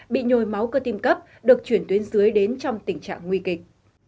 bị nhồi máu cơ tim cấp được chuyển tuyến dưới đến trong tình trạng nguy kịch